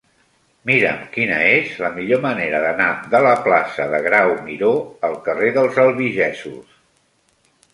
Mira'm quina és la millor manera d'anar de la plaça de Grau Miró al carrer dels Albigesos.